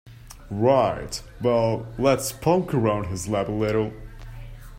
Right, well let's poke around his lab a little.